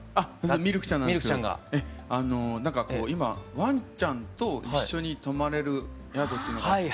ミルクちゃんなんですけどなんかこう今ワンちゃんと一緒に泊まれる宿っていうのがあって。